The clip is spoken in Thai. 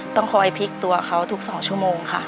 ต้องคอยพลิกตัวเขาทุก๒ชั่วโมงค่ะ